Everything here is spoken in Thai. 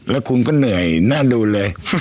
แล้วคุณก็เหนื่อยน่าดูเลย